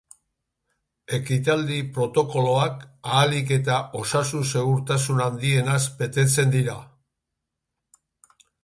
Osasun-protokoloak zorrotz betetzen dira ekitaldi guztietan, ahalik eta osasun-segurtasun handiena bermatzeko.